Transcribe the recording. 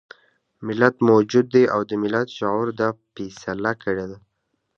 ملت موجود دی او د ملت شعور دا فيصله کړې ده.